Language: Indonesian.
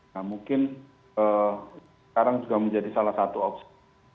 nah mungkin sekarang juga menjadi salah satu opsi